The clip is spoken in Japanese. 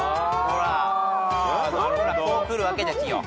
ほらこうくるわけですよ。